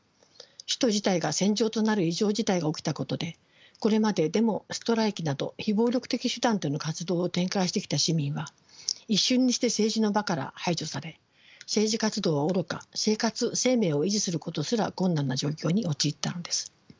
首都自体が戦場となる異常事態が起きたことでこれまでデモ・ストライキなど非暴力的手段での活動を展開してきた市民は一瞬にして政治の場から排除され政治活動はおろか生活・生命を維持することすら困難な状況に陥ったのです。